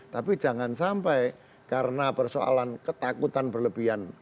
tapi jangan sampai karena persoalan ketakutan berlebihan